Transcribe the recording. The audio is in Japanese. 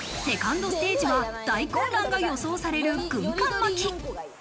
セカンドステージは大混乱が予想される軍艦巻き。